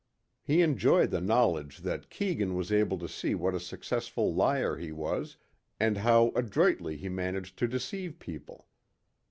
He enjoyed the knowledge that Keegan was able to see what a successful liar he was and how adroitly he managed to deceive people.